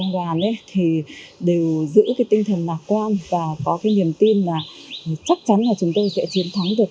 đàn thì đều giữ cái tinh thần mạc quan và có cái niềm tin là chắc chắn là chúng tôi sẽ chiến thắng được